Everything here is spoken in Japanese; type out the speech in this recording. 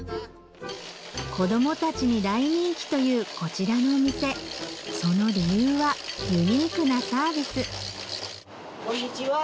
子供たちに大人気というこちらのお店その理由はユニークなサービスこんにちは。